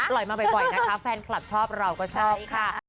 มาบ่อยนะคะแฟนคลับชอบเราก็ชอบค่ะ